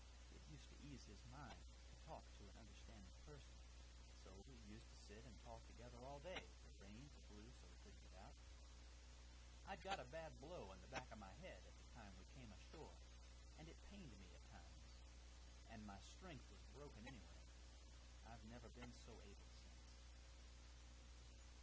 It used to ease his mind to talk to an understanding person, so we used to sit and talk together all day, if it rained or blew so that we couldn't get out. I'd got a bad blow on the back of my head at the time we came ashore, and it pained me at times, and my strength was broken, anyway; I've never been so able since."